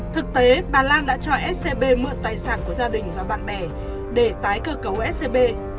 thực tế bà lan đã cho scb mượn tài sản của gia đình và bạn bè để tái cơ cấu scb